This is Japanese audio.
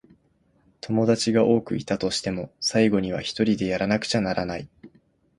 友達が多くいたとしても、最後にはひとりでやらなくちゃならない。